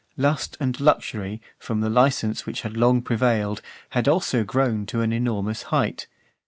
XI. Lust and luxury, from the licence which had long prevailed, had also grown to an enormous height.